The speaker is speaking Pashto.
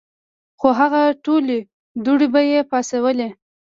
خو هغه ټولې دوړې به ئې پاڅولې ـ